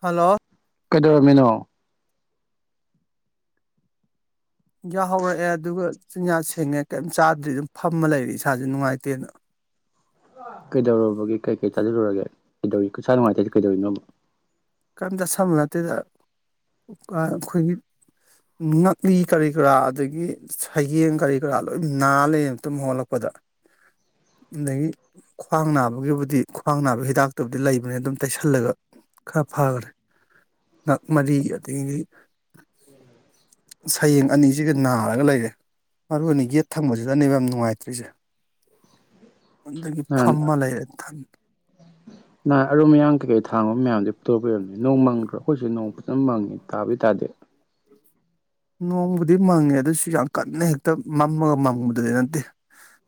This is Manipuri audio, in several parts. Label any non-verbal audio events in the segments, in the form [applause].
ꯍꯜꯂꯣ ꯀꯩꯗꯧꯔꯝꯃꯤꯅꯣ ꯌꯥꯍꯧꯔꯛꯑꯦ ꯑꯗꯨꯒ ꯆꯤꯟꯌꯥ ꯁꯦꯡꯉꯦ ꯀꯔꯤꯝ ꯆꯥꯗ꯭ꯔꯤ ꯑꯗꯨꯝ ꯐꯝꯃ ꯂꯩꯔꯤ ꯏꯁꯥꯥꯁꯦ ꯅꯨꯡꯉꯥꯏꯇꯦꯅ ꯀꯩꯗꯧꯔꯨꯕꯒꯦ ꯀꯩ ꯀꯩ ꯆꯥꯖꯂꯨꯔꯒꯦ ꯀꯩꯗꯧꯔꯤ ꯏꯁꯥ ꯅꯨꯡꯉꯥꯏꯇꯦ ꯍꯥꯏꯖ‌ꯦ ꯀꯩꯗꯧꯔꯤꯅꯣꯕ ꯀꯔꯤꯝ ꯆꯁꯟꯕ ꯅꯠꯇꯦꯗ ꯑꯥ ꯑꯩꯈꯣꯏꯒꯤ ꯉꯛꯂꯤ ꯀꯔꯤ ꯀꯔꯥ ꯑꯗꯒꯤ ꯁꯌꯦꯡ ꯀꯔꯤ ꯀꯔꯥ ꯂꯣꯏ ꯅꯥ ꯂꯩ ꯇꯨꯝ ꯍꯧꯒꯠꯂꯛꯄꯗ꯫ [inaudible] ꯑꯗꯒꯤ ꯈ꯭ꯋꯥꯡ ꯅꯥꯕꯒꯤꯕꯨꯗꯤ ꯈ꯭ꯋꯥꯡ ꯅꯥꯕ ꯍꯤꯗꯥꯛꯇꯕꯨꯗꯤ ꯂꯩꯕꯅꯤ ꯑꯗꯨꯝ ꯇꯩꯁꯜꯂꯒ ꯈꯔ ꯐꯒ꯭ꯔꯦ ꯉꯥꯛ ꯃꯔꯤ ꯑꯗꯩꯗꯤ ꯁꯌꯦꯡ ꯑꯅꯤꯁꯤꯒ ꯅꯥꯔꯒ ꯂꯩꯔꯦ꯫ ꯃꯔꯨ ꯑꯣꯏꯅ ꯌꯦꯠ ꯊꯪꯕꯁꯤꯗꯅꯦꯕ ꯌꯥꯝ ꯅꯨꯡꯉꯥꯏꯇ꯭ꯔꯤꯁꯦ꯫ [unintelligible] ꯑꯗꯨꯗꯒꯤ ꯅꯍꯥꯟ ꯐꯝꯃ ꯂꯩꯔꯦ ꯊꯟ__ ꯅꯍꯥꯟ ꯑꯔꯨꯝ ꯑꯌꯥꯡ ꯀꯩꯀꯩ ꯊꯥꯡꯉꯨꯕ ꯃꯌꯥꯝꯗꯨꯏ ꯐꯨꯗꫭꯔꯛꯄꯩ ꯑꫭꯏꯔꯝꯅꯤ ꯅꫭꯡ ꯃꯪꯗ꯭ꯔꯣ ꯑꯩꯈꯣꯏꯁꯤ ꯅꯣꯡ ꯐꯖꯅ ꯃꯪꯉꯤ ꯇꯥꯕꯨꯗꯤ ꯇꯥꯗ‌ꯦ ꯅꯣꯡꯕꯨꯗꯤ ꯃꯪꯉꯦ ꯑꯗꯨꯁꯨ ꯌꯥꯝ ꯀꯟꯅ ꯍꯦꯛꯇ ꯃꯝꯃꯒ ꯃꯪꯕꯗꯨꯗꯤ ꯅꯠꯇꯦ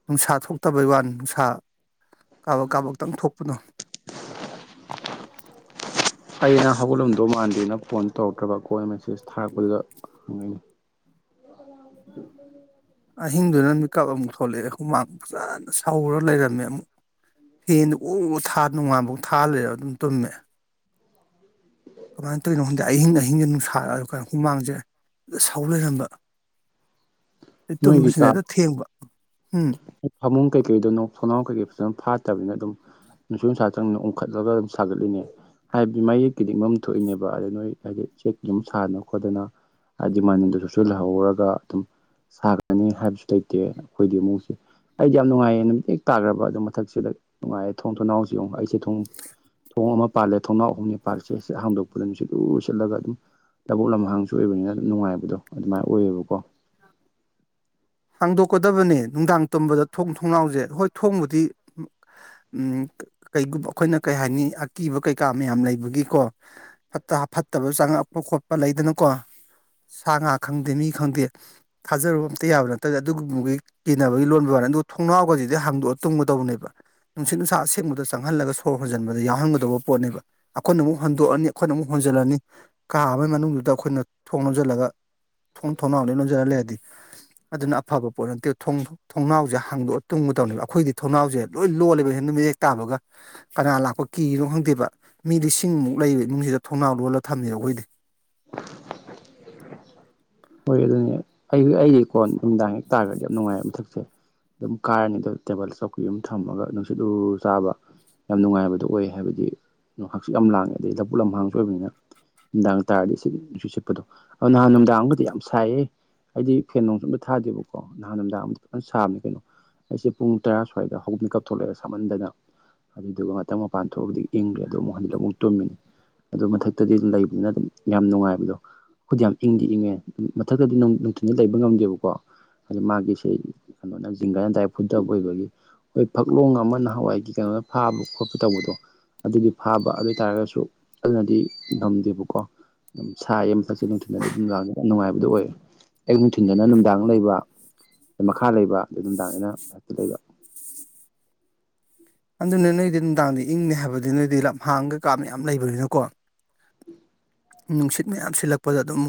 ꯅꯨꯡꯁꯥ ꯊꯣꯛꯇꯕꯩ ꯋꯥꯅꯤ ꯅꯨꯡꯁꯥ ꯀꯥꯕꯛ ꯀꯥꯕꯛꯇꯪ ꯊꯣꯛꯄꯗꫭ ꯑꯩꯗꯤ ꯅꯪ ꯍꯧꯒꯠꯂꯝꯗꯧ ꯃꯥꯟꯗ‌ꯦꯅ ꯐꯣꯟ ꯇꯧꯔꯛꯇ꯭ꯔꯕꯥ ꯀꫭꯟꯅ ꯃꯦꯁꯦꯁ ꯊꯥꯔꯛꯄꯗꯨꯗ ꯍꯪꯉꯛꯏꯅꯤ ꯑꯍꯤꯡꯗꯨꯅ ꯃꯤꯀꯞ ꯑꯃꯨꯛ ꯊꯣꯛꯂꯛꯑꯦ ꯍꯨꯃꯥꯛ ꯐꯖꯅ ꯁꯧꯔ ꯂꯩꯔꯝꯃꯦ ꯑꯃꯨꯛ ꯐꯦꯟꯗꫭ ꯎꯎ ꯊꯥ ꯅꯣꯡꯉꯥꯐꯧ ꯊꯥ ꯂꯩꯔ ꯑꯗꯨꯝ ꯇꯨꯝꯃꯦ꯫ ꯀꯃꯥꯏꯅ ꯇꯧꯔꯤꯅꯣꯈꯪꯗ‌ꯦ ꯑꯍꯤꯡ ꯑꯍꯤꯡꯖ‌ꯦ ꯅꯨꯡꯁꯥ ꯔꯛꯑ ꯀ [unintelligible] ꯍꯨꯃꯥꯡꯁꯦ ꯍ‌ꯦꯛꯇ ꯁꯧ ꯂꯩꯔꯝꯕ [inaudible] ꯑꯗꯩ ꯅꯣꯏꯒꯤ ꯇꯨꯝꯕꯁꯤꯅ ꯍꯦꯛꯇ ꯊꯦꯡꯕ ꯍꯝ ꯐꯥꯃꯨꯡ ꯀꯩꯀꯩꯗꯣ ꯊꯣꯡꯅꯥꯎ ꯀꯩꯀꯩ ꯐꯖꯅ ꯐꯥꯠꯇꯕꯅꯤꯅ ꯑꯗꯨꯝ ꯅꯨꯡꯁꯤꯠ ꯅꯨꯡꯁꯥꯆꯪꯗꯅ ꯎꯡꯈꯠꯂꯒ ꯁꯥꯒꯠꯂꯤꯅꯦꯕ꯫ ꯍꯥꯏꯕꯗꯤ ꯃꯌꯦꯛꯀꯤꯗꯤꯡ ꯃꯝ ꯊꯣꯛꯏꯅꯦꯕ ꯑꯗ ꯅꯣꯏ ꯍꯥꯏꯗꯤ ꯆꯦꯛ ꯑꯗꯨꯝ ꯁꯥꯗꯅ ꯈꯣꯠꯇꯅ ꯍꯥꯏꯗꯤ ꯃꯅꯗꯨꯁꯨ ꯁꯣꯏ ꯂꯩꯍꯧꯔꯒ ꯑꯗꯨꯝ ꯁꯥꯒꯅꯤ ꯍꯥꯏꯕꯁꯨ ꯂꯩꯇꯦ ꯑꯈꯣꯏꯗꯤ ꯑꯃꯨꯁꯦ꯫ ꯑꯩꯗꯤ ꯌꯥꯝ ꯅꯨꯡꯉꯥꯏꯌꯦ ꯅꯨꯃꯤꯠ ꯍꯦꯛ ꯇꯥꯈ꯭ꯔꯕ ꯑꯗꯨꯝ ꯃꯊꯛꯁꯤꯗ ꯅꯨꯡꯉꯥꯏꯌꯦ ꯊꯣꯡ ꯊꯨꯡꯅꯥꯎꯁꯤ ꯌꯦꯡꯑꯣ ꯑꯩꯁꯦ ꯊꯣꯡ__ ꯊꯣꯡ ꯑꯃ ꯄꯥꯜꯂꯦ ꯊꯣꯡꯅꯥꯎ ꯑꯍꯨꯝꯅꯤ ꯄꯥꯜꯂꯤꯂꯁꯦ ꯍ ꯍꯥꯝꯗꯣꯛꯄꯗ ꯃꯤꯁꯤꯠ ꯑꯗꯨ ꯂ ꯁꯤꯜꯂꯒ ꯑꯗꯨꯝ ꯂꯕꯨꯛ ꯂꯝꯍꯥꯡꯁꯨ ꯑꯣꯏꯕꯅꯤꯅ ꯑꯗꯨꯝ ꯅꯨꯡꯉꯥꯏꯕꯗꯣ ꯑꯗꯨꯃꯥꯏꯅ ꯑꯣꯏꯌꯦꯕꯀꯣ ꯍꯥꯡꯗꯣꯛꯀꯗꯕꯅꯦ ꯅꯨꯡꯗꯥꯡ ꯇꯝꯕꯗ ꯊꯣꯡ ꯊꯣꯡꯅꯥꯎꯖꯦ ꯍꯣꯏ ꯊꯣꯡꯕꯨꯗꯤ__ ꯎꯝ ꯀ-ꯀꯩꯒꯨꯝꯕ ꯑꯈꯣꯏꯅ ꯀꯩ ꯍꯥꯏꯅꯤ ꯑꯀꯤꯕ ꯀꯩꯀꯥ ꯃꯌꯥꯝ ꯂꯩꯕꯒꯤꯀꯣ__ ꯐꯠꯇ ꯐꯠꯇꯕ ꯆꯪꯉꯛꯄ ꯈꯣꯠꯄ ꯂꯩꯗꯅꯀꯣ ꯁꯥ ꯉꯥ ꯈꯪꯗꯦ ꯃꯤ ꯈꯪꯗꯦ ꯊꯥꯖꯔꯨꯕ ꯑꯝꯇ ꯌꯥꯕ꯭ꯔꯥꯠꯇ ꯇꯗ ꯑꯗꯨꯒꯨꯝꯕꯒꯤ ꯀꯤꯅꯕꯒꯤ ꯂꯣꯟꯕ ꯋꯥꯅꯤ ꯑꯗꯨꯒ ꯊꯣꯡꯅꯥꯎꯒꯁꯤꯗꯤ ꯍꯥꯡꯗꯣꯛꯑ ꯇꯨꯝꯒꯗꯧꯕꯅꯦꯕ ꯅꯨꯡꯁꯤꯠ ꯅꯨꯡꯁꯥ ꯑꯁꯦꯡꯕꯗ ꯆꯪꯍꯜꯂꯒ ꯁꯣꯔ ꯍꯣꯟꯖꯤꯟꯕꯗ ꯌꯥꯎꯍꯟꯒꯗꯧꯕ ꯄꯣꯠꯅꯦꯕ ꯑꯈꯣꯏꯅ ꯑꯃꯨꯛ ꯍꯣꯟꯗꯣꯛꯑꯅꯤ ꯑꯈꯣꯏꯅ ꯑꯃꯨꯛ ꯍꯣꯟꯖꯤꯜꯂꯅꯤ ꯀꯥ ꯑꯃꯒꯤ ꯃꯅꯨꯡꯗꯨꯗ ꯑꯈꯣꯏꯅ ꯊꯣꯡ ꯂꯣꯟꯖꯤꯜꯂꯒ__ ꯊꯣꯡ ꯊꯣꯡꯅꯥꯎ ꯂꯣꯏ ꯂꯣꯟꯖꯔ ꯂꯩ ꯑꯗꯤ ꯑꯗꯨꯅ ꯑꯐꯕ ꯄꯣꯠ ꯅꯠꯇꯦ ꯊꯣꯡꯕ ꯊꯣꯡꯅꯥꯎꯁꯦ ꯍꯥꯡꯗꯣꯛꯑ ꯇꯨꯝꯒꯗꯧꯅꯦꯕ ꯑꯩꯈꯣꯏꯗꯤ ꯊꯣꯡꯅꯥꯎꯁꯦ ꯂꯣꯏ ꯂꯣꯜꯂꯦꯕ ꯍꯦꯟꯅ ꯃꯤꯌꯦꯛ ꯇꯥꯕꯒ ꯀꯅꯥ ꯂꯥꯛꯄ ꯀꯤꯅꯣ ꯈꯪꯗꯦꯕ ꯃꯤꯗꯤ ꯁꯤꯡꯃꯨꯛ ꯂꯩꯕ ꯏꯅꯨꯡꯁꯤꯗ ꯊꯣꯡꯅꯥꯎ ꯂꯣꯜꯂ ꯊꯝꯃꯦꯕ ꯑꯩꯈꯣꯏꯗꯤ ꯍꯣꯏ ꯑꯗꯨꯅꯦ ꯑꯩ ꯑꯩꯒꯤ ꯀꯣꯟ ꯅꯨꯃꯤꯗꯥꯡ ꯍꯦꯛ ꯇꯥꯈ꯭ꯔꯗꯤ ꯌꯥꯝ ꯅꯨꯡꯉꯥꯏꯌꯦꯕ ꯃꯊꯛꯁꯦ ꯗꯨꯝ ꯀꯥꯏꯔꯅꯤ ꯗꯣ ꯇꯦꯕꯜ ꯆꯧꯀꯤ ꯑꯝ ꯊꯝꯃꯒ ꯅꯨꯡꯁꯤꯠ ꯎꯔꯨꯔꯨ ꯆꯥꯕ__ ꯌꯥꯝ ꯅꯨꯡꯉꯥꯏꯕꯗꯣ ꯑꯣꯏ ꯍꯥꯏꯕꯗꯤ ꯍꯛꯆꯤ ꯌꯥꯝ ꯂꯥꯡꯉꯦ ꯑꯗꯩ ꯂꯕꯨꯨꯛ ꯂꯝ ꯍꯥꯡꯁꯨ ꯑꯣꯏꯕꯅꯤꯅ ꯅꯨꯡꯗꯥꯡ ꯇꯥꯔꯗꯤ ꯁꯤ ꯅꯨꯡꯁꯤ ꯁꯤꯠꯄꯗꯣ ꯑ ꯅꯍꯥꯟ ꯅꯨꯡꯗꯥꯡꯑꯝꯒꯤ__ ꯌꯥꯝ ꯁꯥꯏꯌꯦ ꯍꯥꯏꯗꯤ ꯐꯦꯟ ꯅꯨꯡꯁꯨ ꯑꯝꯇ ꯊꯥꯗꯦꯕꯀꯣ ꯅꯍꯥꯟ ꯃꯤꯗꯥꯡ ꯑꯃ ꯐꯖꯅ ꯁꯥꯕꯅꯦ ꯀꯩꯅꯣ ꯑꯩꯁꯦ ꯄꯨꯡ ꯇꯔꯥ ꯁ꯭ꯋꯥꯏꯗ ꯍꯧꯃꯤꯀꯞ ꯊꯣꯛꯂꯛꯑꯦ ꯁꯥꯃꯟꯗꯅ꯫ ꯑꯗꯨꯗꯨꯒ ꯃꯊꯪ ꯃꯄꯥꯟ ꯊꯣꯛꯑꯕꯗꯤ ꯏꯪꯈ꯭ꯔꯦ ꯑꯗꯨ ꯑꯃꯨꯛ ꯍꯖꯤꯛ ꯑꯃꯨꯛ ꯇꯨꯝꯃꯤꯅꯤ ꯑꯗꯨ ꯃꯊꯛꯇꯗꯤ ꯑꯗꯨꯝ ꯂꯩꯕꯅꯤꯅ ꯑꯗꯨꯝ ꯌꯥꯝ ꯅꯨꯡꯉꯥꯏꯕꯗꯣ ꯑꯩꯗꯤ ꯌꯥꯝ ꯏꯪꯗꯤ ꯏꯪꯉꯦ ꯃ-ꯃꯊꯛꯇꯗꯤ ꯅ-ꯅꯨꯡꯊꯤꯜꯗ ꯂꯩꯕ ꯉꯝꯗꯦꯕꯀꯣ꯫ ꯍꯥꯏꯗꯤ ꯃꯥꯒꯤꯁꯦ ꯀꯩꯅꯣꯅ ꯖꯤꯡꯒꯅ ꯇꯥꯏ ꯐꯨꯗ ꯑꯣꯏꯕꯒꯤ ꯈꯣꯏ ꯐꯛꯂꯣꯡ ꯑꯃ ꯅꯍꯥꯟꯋꯥꯏꯒꯤ ꯀꯩꯅꯣꯅ ꯐꯥꯕ ꯈꯣꯠꯄ ꯇꯧꯕꯗꯣ__ ꯑꯗꯨꯒꯤ ꯐꯥꯕ ꯑꯗꯣꯏꯇꯥꯥꯔꯒꯁꯨ ꯑꯗꯨꯅꯗꯤ ꯉꯝꯗꯦꯕꯀꯣ꯫ ꯑꯗꯨꯝ ꯁꯥꯏ ꯌꯦ ꯐꯁꯦ ꯅꯨꯡꯊꯤꯅ ꯑꯗꯨꯝ ꯂꯥꯛꯅꯤ ꯌꯥꯝ ꯅꯨꯡꯉꯥꯏꯕꯗꯨ ꯑꯣꯏ ꯑꯌꯨꯛ ꯅꯨꯡꯊꯤꯟꯗꯅ ꯅꯨꯡꯗꯥꯡ ꯂꯩꯕ ꯑꯩ ꯃꯈꯥ ꯂꯩꯕ ꯑꯗꯩ ꯑꯗꯨꯝꯗꯥꯥꯛꯅꯤꯅ ꯉꯛꯇ ꯂꯩꯕ ꯑꯗꯨꯅ ꯅꯣꯏꯗꯤ ꯅꯨꯡꯗꯥꯡꯗꯤ ꯏꯪꯅꯦ ꯍꯥꯏꯕꯗꯤ ꯅꯣꯏꯗꯤ ꯂꯞ ꯍꯥꯡꯒ ꯀꯥꯞ ꯌꯥꯝ ꯂꯩꯕꯅꯤꯅꯀꯣ ꯅꯨꯡꯁꯤꯠ ꯃꯌꯥꯝ ꯁꯤꯜꯂꯛꯄꯗ ꯑꯗꯨꯝ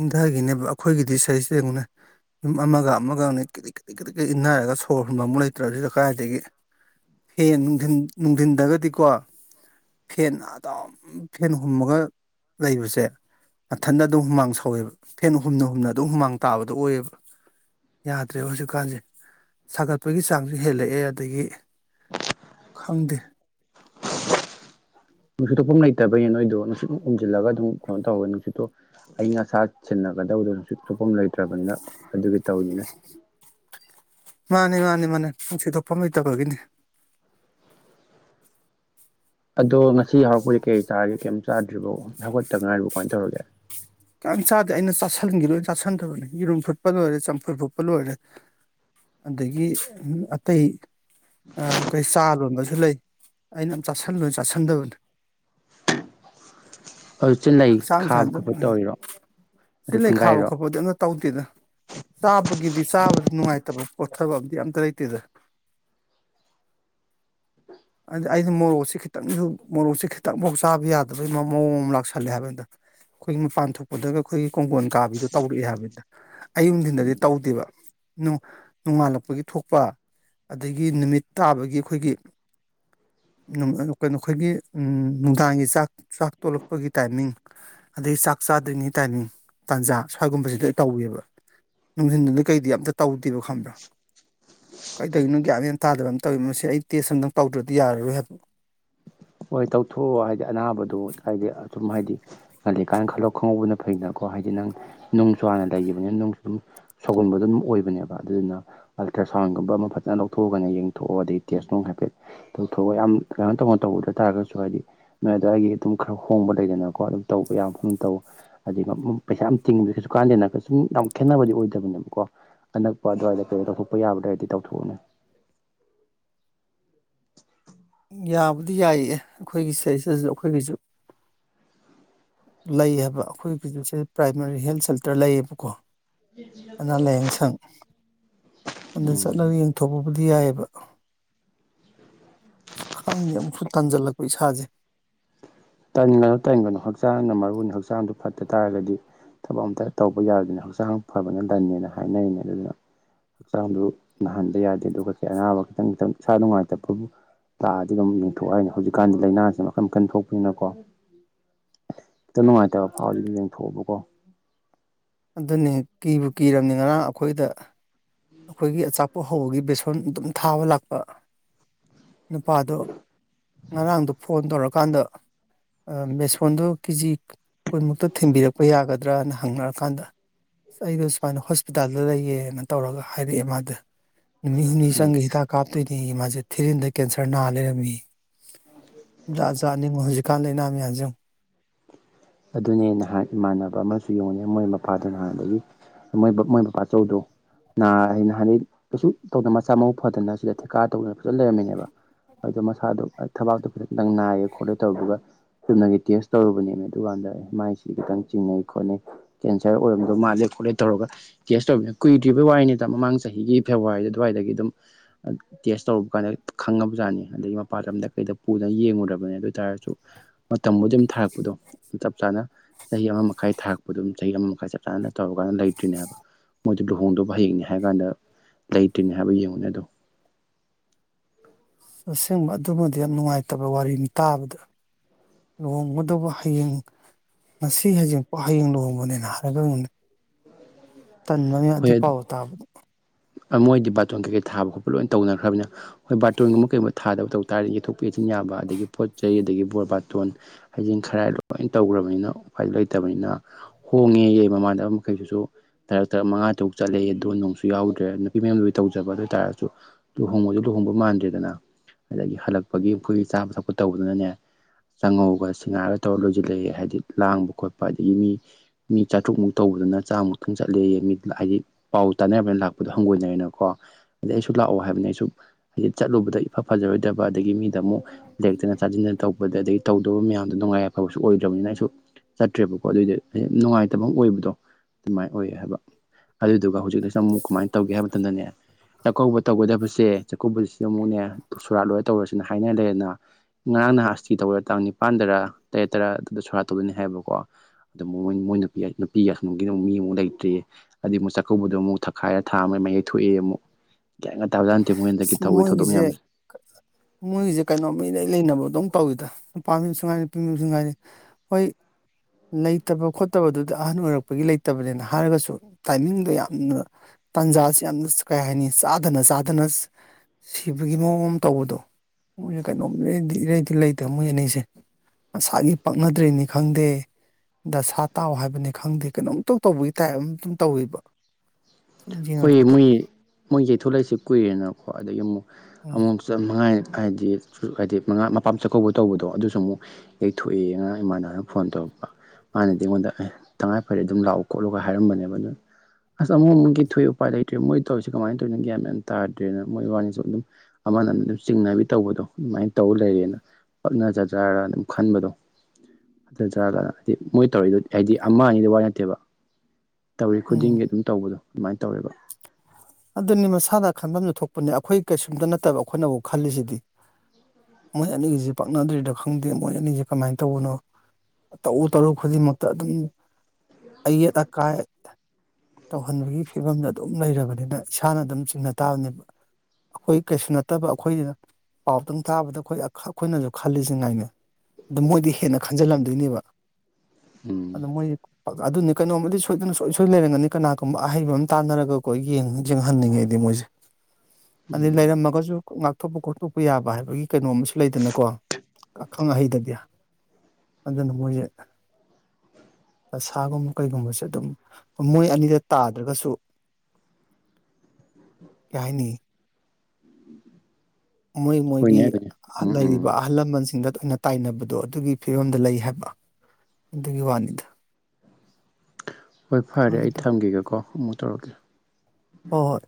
ꯏꯟꯗꯤꯌꯥꯒꯤꯅꯦꯕ ꯑꯩꯈꯣꯏꯒꯤꯗꯤ ꯁꯥꯏꯁꯗ ꯌꯦꯡꯉꯣꯅꯦ ꯌꯨꯝ ꯑꯃꯒ ꯑꯃꯒꯅꯤ ꯀꯤꯗꯤꯛ ꯀꯦꯗꯤꯛ ꯀꯔꯤꯛ ꯀꯩꯛ ꯏꯟꯅꯔꯒ ꯁꯣꯔ ꯍꯣꯟꯕꯝꯕꯨ ꯂꯩꯇ꯭ꯔꯕ ꯁꯤꯗ ꯀꯥꯏꯗꯒꯤ ꯍꯦ ꯅꯨꯡꯊꯤꯟ ꯅꯨꯡꯊꯤꯟꯗꯒꯗꯤꯀꯣ ꯐꯦꯟ ꯑꯗꯨꯝ ꯐꯦꯟ ꯍꯨꯝꯃꯒ ꯂꯩꯕꯁꯦ__ ꯃꯊꯟꯗ ꯑꯗꯨꯝ ꯍꯨꯃꯥꯡ ꯁꯧꯋꯦꯕ ꯐꯦꯟ ꯍꯨꯝꯅ ꯍꯨꯝꯅ ꯑꯗꯨꯝ ꯍꯨꯃꯥꯡ ꯇꯥꯕꯗꯣ ꯑꯣꯏꯑꯕ ꯌꯥꯗ꯭ꯔꯦꯕ ꯍꯧꯖꯤꯛꯀꯥꯟꯁꯦ ꯁꯥꯒꯠꯄꯒꯤ ꯆꯥꯡꯁꯨ ꯍꯦꯜꯂꯛꯑꯦ ꯑꯗꯒꯤ__ ꯈꯪꯗꯦ__ ꯅꯨꯡꯁꯤꯠ ꯊꯣꯛꯐꯝ ꯂꯩꯇꯕꯩꯅꯦ ꯅꯣꯏꯗꯣ ꯅꯨꯡꯁꯤꯠꯃꯨꯛ ꯎꯝꯖꯤꯜꯂꯒ ꯗꯨꯝ ꯀꯩꯅꯣ ꯇꯧꯋꯦ ꯅꯨꯡꯁꯤꯠꯇꯣ__ ꯑꯩꯅ ꯑꯁꯥ ꯁꯤꯟꯅꯒꯗꯧꯗꯅꯁꯨ ꯊꯣꯛꯐꯝ ꯂꯩꯇ꯭ꯔꯕꯅꯤꯅ ꯑꯗꯨꯒꯤ ꯇꯧꯔꯤꯅ ꯃꯥꯅꯦ ꯃꯥꯅꯦ ꯃꯥꯅꯦ ꯅꯨꯡꯁꯤ ꯊꯣꯛꯐꯝ ꯂꯩꯇꯕꯒꯤꯅꯤ ꯑꯗꯣ ꯉꯁꯤ ꯍꯧꯔꯛꯄꯗꯤ ꯀꯔꯤ ꯆꯥꯔꯒꯦ ꯀꯔꯤꯝ ꯆꯗ꯭ꯔꯤꯕꯣ ꯍꯧꯒꯠꯇ ꯉꯥꯏꯔꯤꯕꯣ ꯀꯃꯥꯏꯅ ꯇꯧꯔꯒꯦ ꯀꯩꯝ ꯆꯥꯗꯦ ꯑꯩꯅ ꯆꯥꯥꯁꯟꯈꯤꯔꯣꯏ ꯆꯥꯥꯁꯟꯈꯕꯅꯤ ꯌꯦꯔꯨꯝ ꯐꯨꯠꯄ ꯂꯣꯏꯔꯦ ꯆꯝꯐꯨꯠ ꯐꯨꯠꯄ ꯂꯣꯏꯔꯦ꯫ ꯑꯗꯒꯤ ꯑꯇꯩ ꯑꯩꯈꯣꯏ ꯆꯥ ꯂꯣꯟꯕꯁꯨ ꯂꯩ ꯑꯩꯅ ꯑꯝ ꯆꯥꯁꯤꯜꯂꯣꯏ ꯆꯥꯥꯁꯟꯗꯕꯅꯦ꯫ ꯑꯗꯨ ꯆꯤꯟ ꯂꯩ ꯈꯥꯕ ꯈꯣꯠꯄ ꯇꯧꯔꯤꯔꯣ ꯑꯗ ꯆꯤꯜ ꯂꯩ ꯈꯕ ꯇꯤꯡꯒꯥꯏꯔꯣ ꯈꯣꯠꯄꯗꯤ ꯑꯝ ꯇꯧꯗꯦꯗ ꯆꯥꯕꯒꯤꯗꯤ ꯆꯥꯕꯗ ꯅꯨꯡꯉꯥꯏꯇꯕ ꯄꯣꯊꯕ ꯑꯝꯗꯤ ꯑꯝꯇ ꯂꯩꯇꯦꯗ [inaudible] ꯑꯩꯗꯤ ꯑꯩꯁꯤ ꯃꯣꯔꯣꯛꯁꯦ ꯈꯤꯇꯪꯁꯨ ꯃꯣꯔꯣꯛꯁꯦ ꯈꯤꯇꯪꯐꯥꯎ ꯆꯥꯕ ꯌꯥꯗꯕꯩ ꯃ-ꯃꯑꯣꯡ ꯑꯃ ꯂꯥꯛꯁꯜꯂꯦ ꯍꯥꯏꯕꯅꯤꯗ꯫ ꯑꯩꯈꯣꯏꯒꯤ ꯃꯄꯥꯟ ꯊꯣꯛꯄꯗꯒ ꯑꯩꯈꯣꯏꯒꯤ ꯀꯣꯡꯒꯣꯟ ꯀꯥꯕꯤꯗꯣ ꯇꯧꯔꯛꯑꯦ ꯍꯥꯏꯕꯅꯤꯗ ꯑꯌꯨꯛ ꯅꯨꯡꯊꯤꯟꯗꯗꯤ ꯇꯧꯗꯦꯕ ꯅꯣꯡ ꯅꯣꯡꯉꯥꯜꯂꯛꯄꯒꯤ ꯊꯣꯛꯄ ꯑꯗꯒꯤ ꯅꯨꯃꯤꯠ ꯇꯥꯕꯒꯤ ꯑꯈꯣꯏꯒꯤ ꯀꯩꯅꯣ ꯑꯈꯣꯏꯒꯤ ꯎꯝ ꯅꯨꯡꯗꯥꯡꯒꯤ ꯆꯥꯛ ꯆꯥꯛ ꯇꯣꯂꯛꯄꯒꯤ ꯇꯥꯏꯃꯤꯡ ꯑꯗꯩ ꯆꯥꯛ ꯆꯥꯗ꯭ꯔꯤꯉꯩ ꯇꯥꯏꯃꯤꯡ ꯇꯥꯟꯖꯥ ꯁ꯭ꯋꯥꯏꯒꯨꯝꯕꯁꯤꯗ ꯇꯧꯋꯦꯕ꯫ ꯅꯨꯡꯊꯤꯟꯗꯗꯤ ꯀꯩꯗꯤ ꯑꯝꯇ ꯇꯧꯗꯦꯕ ꯈꯪꯕ꯭ꯔꯥ ꯀꯩꯗꯧꯏꯅꯣ ꯒ꯭ꯌꯥꯟꯃꯦꯟ ꯑꯃ ꯇꯥꯗꯕ ꯑꯃ ꯇꯧꯋꯤ ꯃꯁꯤ ꯑꯩ ꯇꯦꯁ ꯑꯝꯇꯪ ꯇꯧꯗ꯭ꯔꯗꯤ ꯌꯥꯔꯔꯣꯏ ꯍꯥꯏꯕ꯫ ꯍꯣꯏ ꯇꯧꯊꯣꯛꯑꯣ ꯍꯥꯏꯗꯤ ꯑꯅꯥꯕꯗꯨ ꯍꯥꯏꯗꯤ ꯑꯗꯨꯨꯝ ꯍꯥꯏꯗꯤ__ ꯉꯂꯤ ꯀꯥꯟ ꯈꯜꯂꯧ ꯈꯪꯍꯧꯕꯅ ꯐꯩꯅꯀꯣ ꯍꯥꯏꯗꯤ ꯅꯪ ꯅꯨꯡꯁꯨ ꯍꯥꯟꯅ ꯂꯩꯒꯤꯕꯅꯤꯅ ꯅꯨꯡꯁꯨꯝ ꯁꯧꯒꯟꯕꯗꯣ ꯑꯗꯨꯝ ꯑꯣꯏꯕꯅꯦꯕ ꯑꯗꯨꯗꯨꯅ ꯑꯜꯇ꯭ꯔ ꯁꯥꯎꯟꯒꯨꯝꯕ ꯑꯃ ꯐꯖꯅ ꯂꯧꯊꯣꯛꯑꯒꯅ ꯌꯦꯡꯊꯣꯛꯑꯣ ꯑꯗꯩ ꯇꯦꯁ ꯅꯣꯡ ꯍꯥꯏꯐꯦꯠ ꯇꯧꯊꯣꯛꯑꯒ ꯌꯥꯝ ꯀꯩꯅꯣ ꯇꯧꯅ ꯇꯧꯕꯗ ꯍꯥꯏ ꯇꯥꯔꯒꯁꯨ ꯍꯥꯏꯗꯤ ꯅꯣꯏ ꯑꯗꯨꯋꯥꯢꯒꯤ ꯑꯗꯨꯝ ꯈꯔ ꯍꯣꯡꯕ ꯂꯩꯗꯅꯀꯣ ꯑꯗꯨꯝ ꯇꯧꯕ ꯌꯥꯕ ꯃꯐꯝ ꯇꯧ ꯍꯥꯢꯗꯤ ꯄꯩꯁꯥ ꯌꯥꯝ ꯇꯤꯡꯕꯗ ꯀꯩꯁꯨ ꯀꯥꯟꯗꯦꯅ ꯁꯨꯝ ꯌꯥꯝ ꯈꯦꯠꯅꯕꯗꯤ ꯑꯣꯏꯗꯕꯅꯦꯕꯀꯣ ꯑꯅꯛꯄ ꯑꯗꯨꯋꯥꯏꯗ ꯀꯩꯟ ꯇꯧꯊꯣꯛꯄ ꯌꯥꯕ ꯂꯩꯔꯗꯤ ꯇꯊꯣꯛꯎꯅꯦ꯫ [inaudible] ꯌꯥꯕꯨꯗꯤ ꯌꯥꯏꯌꯦ ꯑꯩꯈꯣꯏꯒꯤ ꯁꯤꯁꯤꯗꯁꯨ ꯑꯩꯈꯣꯏꯒꯤꯁꯨ ꯂꯩ ꯍꯥꯏꯕ ꯑꯩꯈꯣꯏꯒꯤ [unintelligible] ꯄ꯭ꯔꯥꯏꯃꯥꯔꯤ ꯍꯦꯜꯠ ꯁꯦꯟꯇꯔ ꯂꯩꯌꯦꯕꯀꯣ ꯑꯅꯥ ꯂꯥꯏꯌꯦꯡꯁꯪ ꯑꯗꯨꯗ ꯎꯝ ꯆꯠꯂꯒ ꯌꯦꯡꯊꯣꯛꯄꯕꯨꯗꯤ ꯌꯥꯏꯌꯦꯕ꯫ ꯑꯁ ꯈꯪꯗꯦ ꯑꯃꯨꯛꯁꯨ ꯇꯥꯟꯖꯜꯂꯛꯄ ꯏꯁꯥꯁꯦ꯫ ꯇꯟꯒꯅꯨ ꯇꯟꯒꯅꯨ ꯍꯛꯆꯥꯡꯅ ꯃꯔꯨꯅꯤ ꯍꯛꯆꯥꯡꯗꯨ ꯐꯠꯇ ꯇꯥꯔꯒꯗꯤ ꯊꯕꯛ ꯑꯝꯇ ꯇꯧꯕ ꯌꯥꯔꯣꯢꯗꯩꯅꯤ ꯍꯛꯆꯥꯡ ꯐꯕꯅ ꯂꯟꯅꯦ ꯍꯥꯏꯅꯔꯤꯅꯦ ꯑꯗꯨꯅ ꯍꯛꯆꯥꯡꯗꯨ ꯅꯥꯍꯟꯕ ꯌꯥꯗꯦ ꯑꯗꯨꯒ ꯑꯅꯥꯕ ꯈꯤꯇꯪ ꯈꯤꯇꯪ ꯢꯁꯥ ꯅꯨꯡꯉꯥꯏꯇꯕꯕꯨ__ ꯂꯥꯛꯑꯗꯤ ꯑꯗꯨꯝ ꯌꯦꯡꯊꯣꯛꯑꯣ ꯍꯥꯏꯅꯤ ꯍꯧꯖꯤꯛꯀꯥꯟꯗꯤ ꯂꯥꯏꯅꯥꯁꯦ ꯃꯈꯟ ꯃꯈꯟ ꯊꯣꯛ ꯀꯨꯏꯅꯀꯣ ꯈꯤꯇꯪ ꯅꯨꯡꯉꯥꯏꯇꯕ ꯐꯥꯎꯔꯗꯤ ꯌꯦꯡꯊꯣꯛꯑꯣꯕꯀꯣ ꯑꯗꯨꯅꯤ ꯀꯤꯕꯨ ꯀꯤꯔꯕꯅꯤ ꯉꯔꯥꯡ ꯑꯩꯈꯣꯏꯗ ꯑꯩꯈꯣꯏꯒꯤ ꯑꯆꯥꯄꯣꯠ ꯍꯧꯕꯒꯤ ꯕꯦꯁꯣꯟ ꯑꯗꯨꯝ ꯊꯥꯕ ꯂꯥꯛꯄ__ ꯅꯨꯄꯥꯗꯣ ꯉꯔꯥꯡꯗꯣ ꯐꯣꯟ ꯇꯧꯔꯀꯥꯟꯗ__ ꯕꯦꯁꯣꯟꯗꯨ ꯀꯦꯖꯤ ꯀꯨꯟꯃꯨꯛꯇ ꯊꯤꯟꯕꯤꯔꯛꯄ ꯌꯥꯒꯗ꯭ꯔꯅ ꯍꯪꯅꯔꯀꯥꯟꯗ ꯑꯩꯗꯣ ꯁꯨꯃꯥꯏꯅ ꯍꯣꯁꯄꯤꯇꯥꯜꯗ ꯂꯩꯌꯦꯅ ꯇꯧꯔꯒ ꯍꯥꯏꯔꯛꯑꯦ ꯃꯥꯗꯨ ꯅꯨꯃꯤꯠ ꯍꯨꯝꯅꯤ ꯎꯝ ꯆꯪꯒꯩ ꯍꯤꯗꯥꯛ ꯀꯥꯞꯇꯣꯏꯅꯦꯌꯦ ꯃꯥꯁꯦ ꯊꯤꯔꯤꯟꯗ ꯀꯦꯟꯁꯔ ꯅꯥ ꯂꯩꯔꯝꯃꯦ ꯖꯥꯠ ꯖꯥꯠꯅꯤꯡꯉꯣ ꯍꯧꯖꯤꯛꯀꯥꯟ ꯂꯥꯢꯅꯥ ꯃꯌꯥꯝꯁꯤꯉꯣ ꯑꯗꯨꯅꯦ ꯅꯍꯥꯟ ꯏꯃꯥꯟꯅꯕ ꯑꯃꯁꯨ ꯌꯦꯡꯉꯣꯅꯦ ꯃꯣꯏ ꯃꯄꯥꯗꯨ ꯅꯥꯍꯟꯗꯒꯤ ꯃꯣꯏ ꯃꯣꯏ ꯕꯕꯥꯆꯧꯗꯣ ꯅꯥ ꯅꯥꯍꯟꯗꯩ ꯀꯩꯁꯨ ꯇꯧꯗ ꯃꯁꯥ ꯃꯎ ꯐꯗꯅ ꯁꯤꯗ ꯊꯤꯀꯥ ꯇꯧꯗꯅ ꯐꯖꯅ ꯂꯩꯔꯝꯃꯤꯅꯦꯕ__ ꯑꯗꯣ ꯃꯁꯥꯗꯣ ꯑꯩ ꯊꯕꯥꯛꯇꯣ ꯈꯤꯇꯪ ꯈꯤꯇꯪ ꯅꯥꯏꯌꯦ ꯈꯣꯠꯂꯦ ꯇꯧꯕꯒ ꯆꯨꯝꯅꯒꯤ ꯇꯦꯁ ꯇꯧꯔꯨꯕꯅꯦꯃꯤ ꯑꯗꯨꯀꯥꯟꯗ ꯃꯥꯏꯁꯤ ꯈꯤꯇꯪ ꯆꯤꯡꯅꯩ ꯈꯣꯠꯅꯩ ꯀꯦꯟꯁꯔ ꯑꯣꯏꯔꯝꯗꯣ ꯃꯥꯜꯂꯦ ꯈꯣꯠꯂꯦ ꯇꯧꯔꯒ ꯇꯦꯁ ꯇꯧꯅꯤ ꯀꯨꯏꯗ꯭ꯔꯤꯕꯩ ꯋꯥꯏꯅꯤꯗ ꯃꯃꯥꯡ ꯆꯍꯤꯒꯤ ꯐꯦꯕꯋꯥꯔꯤꯗ ꯑꯗꯨꯋꯥꯏꯗꯒꯤ ꯑꯗꯨꯝ ꯇꯦꯁ ꯇꯧꯔꯨꯕ ꯀꯥꯟꯗ ꯈꯪꯉꯕꯖꯥꯠꯅꯤ ꯑꯗꯒꯤ ꯃꯄꯥꯟ ꯂꯝꯗ ꯀꯩꯗ ꯄꯨꯗꯅ ꯌꯦꯡꯉꯨꯔꯕꯅꯤ ꯑꯗꯣꯏ ꯇꯥꯔꯁꯨ__ ꯃꯇꯝꯕꯨꯗꯤ ꯗꯨꯝ ꯊꯥꯔꯛꯄꯗꯣ꯫ ꯆꯞ ꯆꯥꯅ ꯆꯍꯤ ꯑꯃ ꯃꯈꯥꯏ ꯊꯥꯛ__ ꯑꯗꯨꯝ ꯆꯍꯤ ꯑꯃ ꯃꯈꯥꯏ ꯆꯞ ꯆꯥꯅ ꯇꯧꯔꯀꯥꯟꯗ ꯂꯩꯇ꯭ꯔꯤꯅꯦ ꯍꯥꯢꯕ ꯃꯣꯏꯗꯨ ꯂꯨꯍꯣꯡꯗꯣꯕ ꯍꯌꯦꯡꯅꯤ ꯍꯥꯏ ꯀꯥꯟꯗ ꯂꯩꯇ꯭ꯔꯤꯅꯦ ꯍꯥꯏꯕ ꯌꯦꯡꯉꯨꯅꯦ ꯑꯗꯣ ꯑꯁꯦꯡꯕ ꯑꯗꯨꯃꯗꯤ ꯌꯥꯝ ꯅꯨꯡꯉꯥꯏꯇꯕ ꯋꯥꯔꯤꯅꯤ ꯇꯥꯕꯗ ꯂꯨꯍꯣꯡꯒꯗꯧꯕ ꯍꯌꯦꯡ ꯉꯁꯤ ꯍꯖꯡꯀꯣ ꯍꯌꯦꯡ ꯂꯨꯍꯣꯡꯕꯅꯦꯅ ꯍꯥꯏꯔꯒ__ ꯎ ꯇꯟꯕ ꯌꯥꯗꯤ ꯄꯥꯎ ꯇꯥꯕꯗꯣ ꯑ ꯃꯣꯏꯗꯤ ꯕꯥꯇꯣꯟ ꯀꯩꯀꯩ ꯊꯥꯕ ꯈꯣꯠꯄ ꯂꯣꯏꯅ ꯇꯧꯅꯈ꯭ꯔꯕꯅꯦ꯫ ꯍꯣꯏ ꯕꯥꯔꯇꯣꯟꯒꯨꯝꯕ ꯀꯩꯨꯝꯕ ꯊꯥꯕ ꯇꯧ ꯇꯥꯔꯗꯤ ꯌꯦꯩꯊꯣꯛꯄ ꯌꯦꯠꯁꯤꯟ ꯌꯥꯕ ꯑꯗꯒꯤ ꯄꯣꯠ ꯆꯩ ꯑꯗꯒꯤ ꯕꯣꯔ ꯕꯥꯔꯇꯣꯟ ꯍꯩꯖꯤꯡ ꯈꯔ ꯂꯣꯏ ꯇꯧꯈ꯭ꯔꯕꯅꯤꯅ ꯎꯄꯥꯏ ꯂꯩꯇꯕꯅꯤꯅ ꯍꯣꯡꯉꯦ ꯌꯩ ꯃꯃꯥꯟꯗ ꯃꯈꯩꯗꯨꯁꯨ ꯇꯔ ꯃꯉꯥ ꯇꯨꯛꯠꯂꯛꯑꯦꯣꯟ ꯅꯣꯡꯨꯁꯨ ꯌꯥꯎꯗ꯭ꯔꯦ ꯅꯨꯄꯤ ꯃꯌꯥꯝꯗꯨꯒꯤ ꯇꯧꯖꯕ ꯑꯗꯨ ꯑꯣꯏꯇꯥꯥꯔꯒꯁꯨ ꯂꯨꯍꯣꯡꯉꯁꯨ ꯂꯨꯍꯣꯡꯕ ꯃꯥꯟꯗ꯭ꯔꯦꯗꯅ ꯑꯗꯒꯤ ꯍꯜꯂꯛꯄꯒꯤ ꯑꯩꯈꯣꯏꯒꯤ ꯆꯥꯕ ꯊꯛꯄ ꯇꯧꯕꯗꯨꯅꯅꯦ ꯆꯪꯉꯧꯒ ꯁꯤꯡꯉꯥꯏꯔꯒ ꯇꯧꯔ ꯂꯣꯏꯁꯤꯜꯂꯛꯑꯦ ꯍꯥꯏꯗꯤ ꯂꯥꯡꯕ ꯈꯣꯠꯄ ꯑꯗꯒꯤ ꯃꯤ ꯃꯤ ꯆꯥꯇ꯭ꯔꯨꯛꯨ ꯇꯗꯨꯅ ꯆꯥꯃꯨꯛꯇꯪ ꯆ ꯂꯩ ꯃꯤ ꯍꯥꯏꯗꯤ ꯄꯥꯎ ꯇꯥꯅꯔꯕꯅꯤꯅ ꯂꯥꯛꯄꯗꯣ ꯍꯪꯒꯣꯏꯅꯔꯦꯅꯀꯣ ꯑꯗꯩ ꯑꯩꯁꯨ ꯂꯥꯛꯑꯣ ꯍꯥꯏꯕꯅꯦ ꯑꯩꯁꯨ ꯍꯥꯏꯗꯤ ꯆꯠꯂꯨꯕꯗ ꯑ ꯐꯖꯔꯣꯏꯗꯕ ꯑꯗꯒꯤ ꯃꯤꯗ ꯑꯃꯨꯛ ꯂꯦꯛꯇꯅ ꯆꯥꯁꯤꯟꯗꯅ ꯇꯧꯕꯗ ꯑꯗꯒꯤ ꯇꯧꯗꯕ ꯃꯌꯥꯝꯗꯣ ꯅꯨꯡꯉꯥꯏ ꯌꯥꯏꯐꯕꯁꯨ ꯑꯣꯏꯗ꯭ꯔꯕꯅꯤꯅ ꯑꯩꯁꯨ ꯆꯠꯇ꯭ꯔꯦꯕꯀꯣ ꯑꯗꯨꯏꯗ ꯅꯨꯡꯉꯥꯏꯇꯕ ꯑꯃ ꯑꯣꯏꯕꯗꯣ ꯑꯣꯏ ꯍꯥꯏꯕ ꯑꯗꯨꯏꯗꯨꯒ ꯍꯧꯖꯤꯛꯅꯁ ꯑꯃꯨꯛ ꯀꯃꯥꯏꯅ ꯇꯧꯒꯦ ꯍꯥꯏꯕ ꯃꯇꯝꯗꯅꯦ ꯆꯥꯛꯀꯧꯕ ꯇꯧꯒꯗꯕꯁꯦ ꯆꯥꯛꯀꯧꯕꯁꯤꯁꯨ ꯑꯃꯨꯛꯅꯦ ꯁꯨꯔꯥꯠ ꯂꯣꯏꯔ ꯇꯧꯔꯁꯤꯅ ꯍꯥꯏꯅ ꯂꯩꯗꯅ ꯉꯔꯥꯡ ꯅꯍꯥꯁꯇꯤ ꯇꯧꯕ ꯇꯥꯡ ꯅꯤꯄꯥꯟꯗꯔꯥ ꯇꯔꯦꯠ ꯇꯔꯥ ꯑꯗꯨꯗ ꯁꯣꯔꯥꯠꯇꯗꯅꯤ ꯍꯥꯏꯕꯀꯣ ꯑꯗꯨ ꯃꯣꯏ ꯅꯨꯄꯤ ꯌꯥꯒꯤ ꯃꯤ ꯑꯃꯉ ꯂꯩ ꯑꯗꯨꯗꯤ ꯑꯃꯨꯛ ꯆꯥꯛꯀꯧꯕꯗꯣ ꯑꯃꯨꯛ ꯊꯛꯈꯥꯏꯔ ꯊꯥ ꯑꯃꯒꯤ ꯃꯀꯩ ꯊꯣꯛꯑꯦ ꯑꯃꯨꯛ ꯇꯥꯖꯥꯟ ꯇꯦ ꯑꯁ ꯃꯣꯏꯅꯗꯒꯤꯧꯏ ꯊꯧꯗꯣꯛ ꯃꯌꯥꯝꯦ ꯃꯣꯏꯒꯤꯁꯦ ꯃꯣꯏꯒꯤꯁꯦ ꯀꯩꯅꯣ ꯃꯤ ꯂꯩꯩ ꯂꯩꯅꯕ ꯑꯗꯨꯝ ꯇꯧꯋꯤꯗ ꯅꯨꯄꯥ ꯃꯤꯁꯨ ꯉꯥꯏ ꯅꯨꯄꯤ ꯃꯤꯁꯨ ꯉꯥꯏꯔꯤ ꯍꯣꯏ ꯂꯩꯇꯕ ꯈꯣꯠꯇꯕꯗꯨꯗ ꯑꯍꯟ ꯑꯣꯏꯔꯛꯄꯒꯤ ꯂꯩꯇꯕꯅꯦꯅ ꯍꯥꯏꯔꯒꯁꯨ ꯇꯥꯏꯃꯤꯡꯗꯣ ꯌꯥꯝꯅ ꯇꯥꯟꯖꯥꯁꯤ ꯌꯥꯝꯅ ꯀꯩ ꯍꯥꯏꯅꯤ ꯆꯥꯗꯅ ꯆꯥꯗꯅꯁ ꯁꯤꯕꯒꯤ ꯃꯑꯣꯡ ꯑꯃ ꯇꯧꯕꯗꯣ ꯃꯣꯏꯁꯦ ꯀꯩꯅꯣꯝ ꯂꯩꯩꯗꯤ ꯏꯔꯩꯗꯤ ꯂꯩꯇꯕ ꯃꯣꯏ ꯑꯅꯤꯁꯦ ꯃꯁꯥꯒꯤ ꯄꯛꯅꯗ꯭ꯔꯔꯤꯅꯤ ꯈꯪꯗꯦ ꯗꯁꯥ ꯇꯥꯎ ꯍꯥꯏꯕꯅꯤ ꯈꯪꯗꯦ ꯀꯩꯅꯣꯝꯇꯧ ꯇꯧꯕꯒꯤ ꯇꯥꯏꯞ ꯑꯇꯪ ꯇꯧꯋꯕ ꯍꯣꯏ ꯃꯣꯏ ꯃꯣꯏ ꯌꯩꯊꯂꯛꯏꯁꯦ ꯀꯨꯏꯔꯦꯅꯀꯣ ꯑꯗꯒꯤ ꯑꯃꯨꯛ ꯎꯝ ꯑꯃꯨꯛ ꯃꯉꯥꯏ ꯍꯥꯏꯗꯤ ꯍꯥꯏꯗꯤ ꯃꯉꯥ ꯃꯄꯥꯥꯟ ꯆꯥꯛꯀꯧꯕ ꯇꯧꯕꯗꯣ ꯑꯗꯨꯁꯨ ꯑꯃꯨꯛ ꯌꯊꯣꯛꯑꯦꯅ ꯏꯃꯥꯟꯅꯕꯅ ꯐꯣꯟ ꯇꯧꯔꯛꯄ ꯃꯥꯅꯗꯤ ꯑꯩꯉꯣꯟꯗ ꯑꯦ ꯇꯉꯥꯏ ꯐꯗꯦ ꯑꯗꯨꯝ ꯂꯥꯛꯎ ꯈꯣꯠꯂꯨꯒ ꯍꯥꯏꯔꯝꯕꯅꯦꯕ ꯑꯗꯨ ꯑꯁ ꯑꯃꯨꯛ ꯑꯃꯒꯤ ꯊꯊꯣꯏꯕ ꯎꯄꯥꯏ ꯂꯩꯇ꯭ꯔꯦ ꯃꯣꯏ ꯇꯧꯔꯤꯁꯤ ꯀꯃꯥꯏꯅ ꯇꯧꯔꯤꯅ ꯒ꯭ꯌꯥ ꯃ ꯌꯥꯝ ꯇꯥꯗ꯭ꯔꯦꯅ ꯃꯣꯏ ꯋꯥꯅꯤꯁꯨ ꯑꯗꯨꯝ ꯑꯃꯅꯅ ꯑꯗꯨꯝ ꯆꯤꯡꯅꯕꯤ ꯇꯧꯕꯗꯣ ꯑꯗꯨꯃꯥꯏꯅ ꯇꯧ ꯂꯩꯔꯦꯅ ꯄꯛꯅꯖꯗ꯭ꯔꯥꯔ ꯑꯗꯨꯝ ꯈꯟꯕꯗꯣ ꯖꯥꯒ ꯍꯥꯏꯗꯤ ꯃꯣꯏ ꯇꯧꯔꯔꯤꯗ ꯍꯥꯏꯗꯤ ꯑꯃ ꯑꯅꯤꯗꯤ ꯋꯥꯏ ꯅꯠꯇꯦꯕ ꯇꯧꯔꯤ ꯈꯨꯗꯤꯡꯒꯤ ꯎꯝ ꯑꯗꯨꯝ ꯇꯧꯕꯗꯣ ꯑꯗꯨꯃꯥꯏꯅ ꯇꯧꯋꯦꯕ ꯑꯗꯨꯅꯤ ꯃꯁꯥꯅ ꯈꯟꯐꯝꯁꯨ ꯊꯣꯛꯄꯅꯦ ꯑꯩꯈꯣꯏ ꯀꯩꯁꯨꯝꯇ ꯅꯠꯇꯕ ꯑꯩꯈꯣꯏꯅꯕꯨꯥꯎ ꯈꯜꯂꯤꯁꯤꯗꯤ ꯃꯣꯏ ꯑꯅꯤꯒꯤꯁꯤꯦ ꯄꯥꯛꯅꯗ꯭ꯔꯤꯗ ꯈꯪꯗꯦ ꯃꯣꯏ ꯑꯅꯤꯁꯦ ꯀꯃꯥꯏꯅ ꯇꯧꯕꯅꯣ ꯇꯧꯎꯨ ꯇꯔꯨ ꯈꯨꯗꯤꯡꯃꯛꯇ ꯑꯗꯨꯝ ꯑꯌꯦꯠ ꯑꯀꯥꯏ ꯇꯧꯍꯟꯕꯒꯤ ꯐꯤꯕꯝꯗꯣ ꯑꯗꯨꯝ ꯂꯩꯔꯕꯅꯤꯅ ꯏꯁꯥꯅ ꯑꯗꯨꯝ ꯆꯤꯡꯅ ꯇꯥꯕꯅꯦꯕ ꯑꯩꯈꯣꯏ ꯀꯩꯁꯨ ꯅꯠꯇꯕ ꯑꯩꯈꯣꯏ ꯄꯥꯎꯗꯪ ꯇꯥꯕꯗ ꯑꯩꯈꯣꯏ ꯑꯩꯈꯣꯏꯅꯁꯨ ꯈꯜꯂꯤꯁꯤ ꯉꯥꯏꯅꯦ ꯑꯗꯨ ꯃꯣꯏꯗꯤ ꯍꯦꯟꯅ ꯈꯟꯖꯤꯜꯂꯝꯗꯣꯏꯅꯦꯕ ꯎꯝ ꯑꯗꯣ ꯃꯣꯏ ꯑꯗꯨꯅꯤ ꯀꯩꯅꯣꯝꯃꯗꯤ ꯁꯣꯏꯗꯅ ꯁꯣꯏꯁꯣꯏ ꯂꯩꯔꯝꯒꯅꯤ ꯀꯅꯥꯒꯨꯝꯕ ꯑꯍꯩꯕ ꯑꯃ ꯇꯥꯟꯅꯔꯒ ꯑꯗꯨꯒ ꯌꯦꯡꯍꯟꯅꯤꯡꯉꯦꯗꯤ ꯃꯣꯏꯁꯦ ꯑꯗꯩ ꯂꯩꯔꯝꯃꯒꯁꯨ ꯀꯊꯣꯛꯄ ꯈꯣꯠꯇꯣꯛꯄ ꯌꯥꯕ ꯍꯥꯏꯕꯒꯤ ꯀꯩꯅꯣꯝ ꯑꯃꯁꯨ ꯂꯩꯗꯅꯀꯣ ꯑꯈꯪ ꯑꯍꯩꯗꯕꯤ ꯑꯗꯨꯅ ꯃꯣꯏꯁ ꯑꯁꯥꯒꯨꯝꯕ ꯀꯩꯒꯨꯝꯕꯁꯦ ꯑꯗꯨꯝ ꯃꯣꯏ ꯑꯅꯤꯗ ꯇꯥꯗ꯭ꯔꯒꯁꯨ ꯀꯥꯏꯅꯤ ꯃꯣꯏ ꯃꯣꯏꯒꯤ ꯍꯣꯏꯅꯦ ꯑꯗꯨꯅꯦ ꯎꯝ ꯎꯝ ꯂꯩꯔꯤꯕ ꯑꯍꯜ ꯂꯃꯟꯁꯤꯡꯗ ꯇꯥꯏꯅꯕꯗꯣ ꯑꯗꯨꯒꯤ ꯐꯤꯕꯝꯗ ꯂꯩ ꯍꯥꯏꯕ ꯑꯗꯨꯒꯤ ꯋꯥꯅꯤꯗ ꯍꯣꯏ ꯐꯔꯦ ꯑꯩ ꯈꯪꯗ꯭ꯔꯦ ꯊꯝꯒꯤꯒꯦꯀꯣ ꯑꯃꯨꯛ ꯇꯧꯔꯛꯀꯦ ꯍꯣꯏ ꯍꯣꯏ